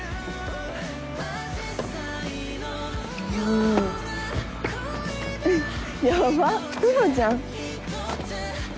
・お・ヤバっプロじゃん。